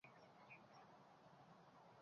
Gar o‘lim keltirsa senga yaqinroq.